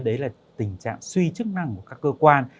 đấy là tình trạng suy chức năng của các cơ quan